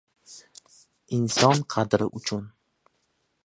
“Inson qadri uchun!”